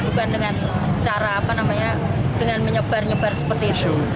bukan dengan cara apa namanya dengan menyebar nyebar seperti itu